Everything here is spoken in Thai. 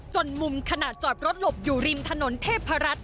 มุมขณะจอดรถหลบอยู่ริมถนนเทพรัฐ